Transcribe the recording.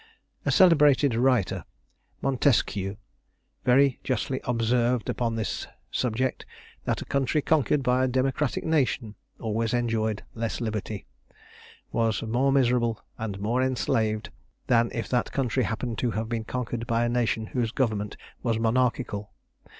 A celebrated writer (Montesquieu) very justly observed upon this subject, that a country conquered by a democratic nation always enjoyed less liberty, was more miserable, and more enslaved, than if that country happened to have been conquered by a nation whose government was monarchical.